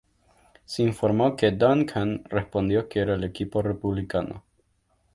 Se informó que Duncan respondió que era el equipo republicano.